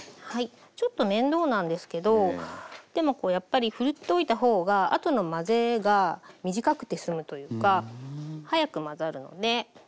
ちょっと面倒なんですけどでもやっぱりふるっておいた方があとの混ぜが短くて済むというか早く混ざるので。